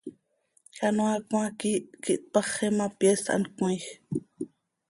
Canoaa cmaa quiih quih tpaxi ma, pyeest hant cömiij.